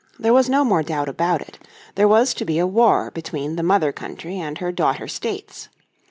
There was no more doubt about it. There was to be a war between the Mother Country and her daughter states.